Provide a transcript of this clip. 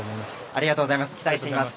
ありがとうございます。